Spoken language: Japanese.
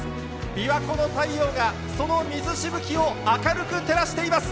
びわ湖の太陽が、その水しぶきを明るく照らしています。